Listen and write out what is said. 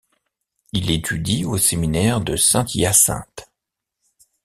Il étudie au Séminaire de Saint-Hyacinthe.